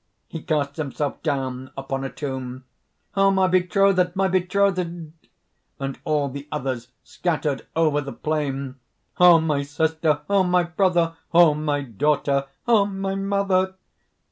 (He casts himself down upon a tomb.) "O my betrothed! my betrothed!" (And all the others scattered over the plain: ) "O my sister! O my brother! O my daughter! O my mother!"